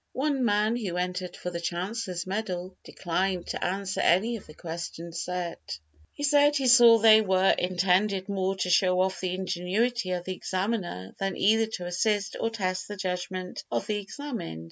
One man who entered for the Chancellor's medal declined to answer any of the questions set. He said he saw they were intended more to show off the ingenuity of the examiner than either to assist or test the judgment of the examined.